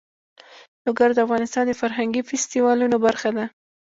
لوگر د افغانستان د فرهنګي فستیوالونو برخه ده.